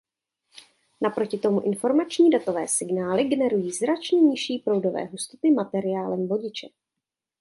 Naproti tomu informační datové signály generují značně nižší proudové hustoty materiálem vodiče.